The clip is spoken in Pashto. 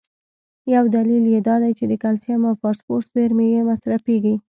یو دلیل یې دا دی چې د کلسیم او فاسفورس زیرمي یې مصرفېږي.